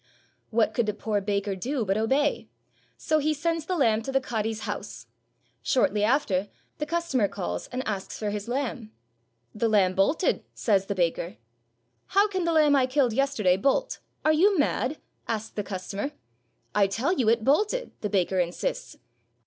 What could the poor baker do but obey? So he sends the lamb to the cadi's house. Shortly after, the customer calls, and asks for his lamb. "The lamb bolted," says the baker, "How can the lamb I killed yesterday bolt? Are you mad?" asks the customer. "I tell you it bolted," the baker insists.